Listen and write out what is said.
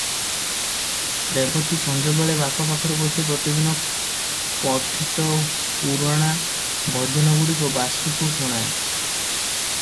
ରେବତୀ ସଞ୍ଜବେଳେ ବାପ ପାଖରେ ବସି ପ୍ରତିଦିନ ପଠିତ ପୁରୁଣା ଭଜନଗୁଡ଼ିକ ବାସୁକୁ ଶୁଣାଏ ।